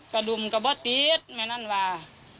กระดุ่มก็ไม่ติดแม่นั่นว่า